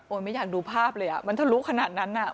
ไม่อยากดูภาพเลยอ่ะมันทะลุขนาดนั้นน่ะ